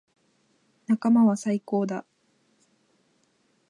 仲間は最高だ。